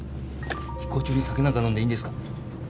飛行中に酒なんか飲んでいいんですか？